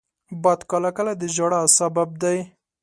باد کله کله د ژړا سبب دی